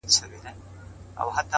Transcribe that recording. پرمختګ د ځان له ماتولو پیلېږي؛